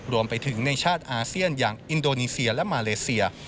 รวมไปถึงในชาติอาเซียนอย่างอินโดนีเซียและมาเลเซีย